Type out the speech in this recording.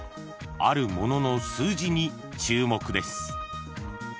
［あるものの数字に注目です］